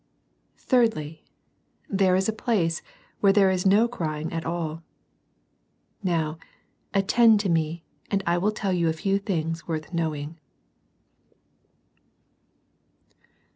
III. Thirdly : There is a place where there is no crying at all Now, attend to me, and I will tell you a few things worth knowing.